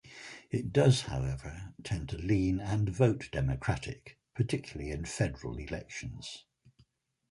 It does however, tend to lean and vote Democratic particularly in federal elections.